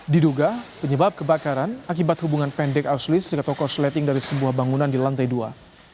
diduga penyebab kebakaran akibat hubungan pendek arus listrik atau korsleting dari sebuah bangunan di lantai dua